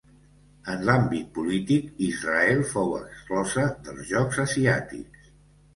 En l'àmbit polític, Israel fou exclosa dels Jocs Asiàtics.